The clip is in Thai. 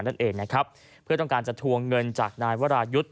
นั่นเองนะครับเพื่อต้องการจะทวงเงินจากนายวรายุทธ์